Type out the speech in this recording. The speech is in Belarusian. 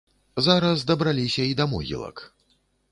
Зараз дабраліся і да могілак.